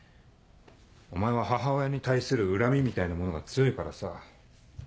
お前は母親に対する恨みみたいなものが強いからさ。